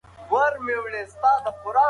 سکاروی به مې په دغه سړه هوا کې ووهي.